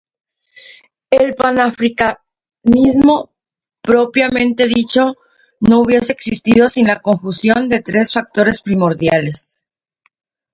El panafricanismo propiamente dicho no hubiese existido sin la conjunción de tres factores primordiales.